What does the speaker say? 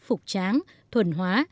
phục tráng thuần hóa